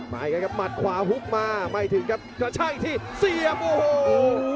มาอีกแล้วกันครับหมัดขวาฮุกมาไม่ถึงครับแต่ใช่ที่เสียบโอ้โห